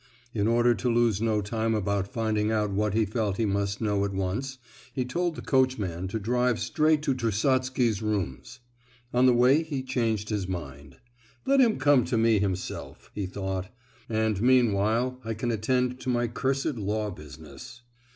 In order to lose no time about finding out what he felt he must know at once, he told the coachman to drive him straight to Trusotsky's rooms. On the way he changed his mind; "let him come to me, himself," he thought, "and meanwhile I can attend to my cursed law business."